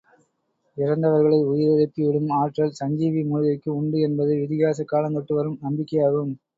இறந்தவர்களை உயிரெழுப்பி விடும் ஆற்றல் சஞ்சீவி மூலிகைக்கு உண்டு என்பது இதிகாச காலந்தொட்டு வரும் நம்பிக்கையாகும்.